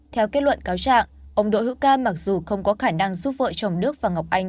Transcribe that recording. phận cáo trạng ông đỗ hữu ca mặc dù không có khả năng giúp vợ chồng đức và ngọc anh